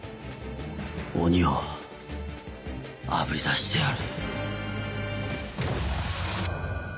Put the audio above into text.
鬼をあぶり出してやる。